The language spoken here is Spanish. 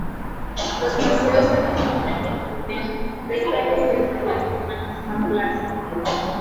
Los paseos se disponen en "tridente": tres calles que salen de una misma plaza.